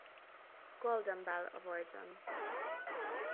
Golden Bell Awardson.